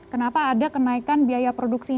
kenapa ada kenaikan biaya produksi